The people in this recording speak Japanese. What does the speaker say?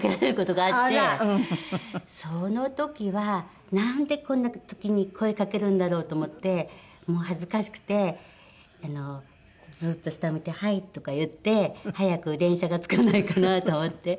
その時はなんでこんな時に声かけるんだろうと思ってもう恥ずかしくてずっと下向いて「はい」とか言って早く電車が着かないかなと思って。